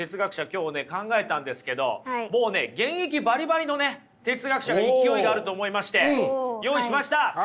今日ね考えたんですけどもうね現役バリバリのね哲学者が勢いがあると思いまして用意しました！